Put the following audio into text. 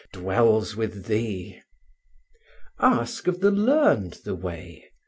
dwells with thee. Ask of the learned the way?